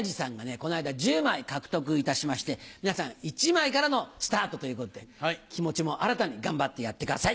この間１０枚獲得いたしまして皆さん１枚からのスタートということで気持ちも新たに頑張ってやってください。